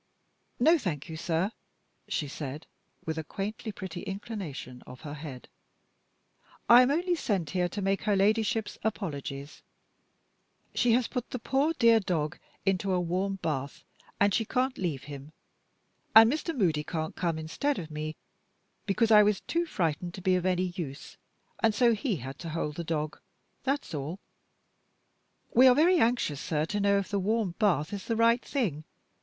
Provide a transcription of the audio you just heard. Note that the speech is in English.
"No, thank you, sir," she said, with a quaintly pretty inclination of her head. "I am only sent here to make her Ladyship's apologies. She has put the poor dear dog into a warm bath, and she can't leave him. And Mr. Moody can't come instead of me, because I was too frightened to be of any use, and so he had to hold the dog. That's all. We are very anxious sir, to know if the warm bath is the right thing.